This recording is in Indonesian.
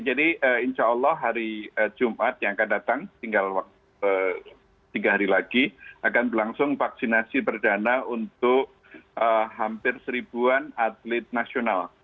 jadi insya allah hari jumat yang akan datang tinggal tiga hari lagi akan berlangsung vaksinasi berdana untuk hampir seribuan atlet nasional